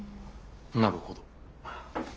なるほど。